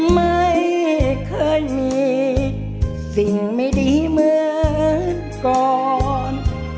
ไม่เคยมีสิ่งไม่ดีเหมือนก่อน